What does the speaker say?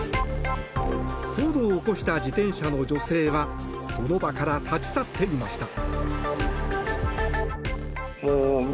騒動を起こした自転車の女性はその場から立ち去っていました。